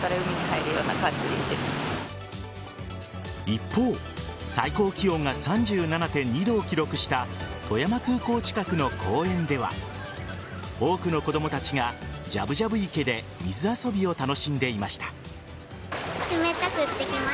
一方、最高気温が３７．２度を記録した富山空港近くの公園では多くの子供たちがじゃぶじゃぶ池で水遊びを楽しんでいました。